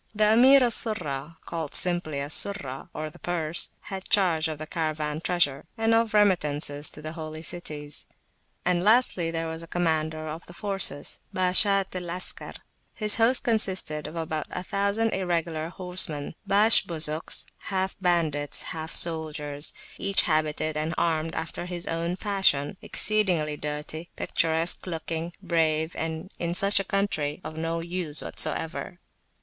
The Emir al Surrahcalled simply Al Surrah, or the Pursehad charge of the Caravan treasure, and of remittances to the Holy Cities. And lastly there was a commander of the [p.72] forces (Bashat al Askar): his host consisted of about a thousand Irregular horsemen, Bash Buzuks, half bandits, half soldiers, each habited and armed after his own fashion, exceedingly dirty, picturesque looking, brave, and in such a country of no use whatever.